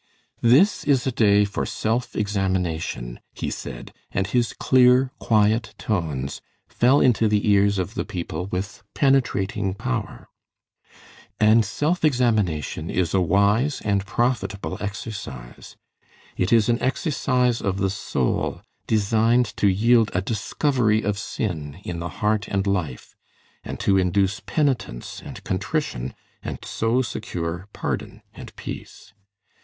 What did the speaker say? "This is a day for self examination," he said, and his clear, quiet tones fell into the ears of the people with penetrating power. "And self examination is a wise and profitable exercise. It is an exercise of the soul designed to yield a discovery of sin in the heart and life, and to induce penitence and contrition and so secure pardon and peace.